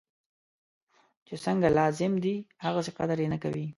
چی څنګه لازم دی هغسې قدر یې نه کوي.